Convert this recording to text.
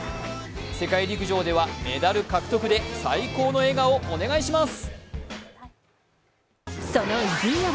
世界陸上ではメダル獲得で最高の笑顔、お願いします！